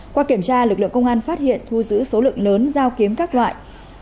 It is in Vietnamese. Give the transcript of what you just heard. qua kiểm tra lực lượng công an phát hiện thu giữ số lượng lớn dao kiếm các loại